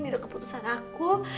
ini udah keputusan aku